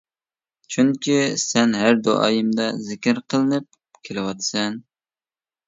چۈنكى سەن ھەر دۇئايىمدا زىكىر قىلىنىپ كېلىۋاتىسەن.